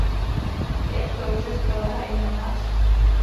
Jak to, že spoléhají na nás?